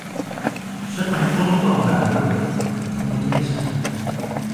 ฉันหมายความแบบนั้นแหละ ทำไมจะไม่ใช่